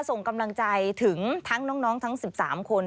ส่งกำลังใจถึงทั้งน้องทั้ง๑๓คน